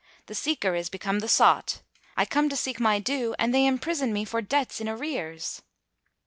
The seeker is become the sought. I come to seek my due, and they imprison me for debts in arrears!"